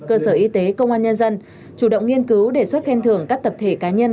cơ sở y tế công an nhân dân chủ động nghiên cứu đề xuất khen thưởng các tập thể cá nhân